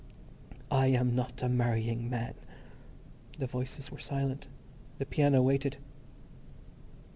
"... I am not a marrying man...." The voices were silent; the piano waited.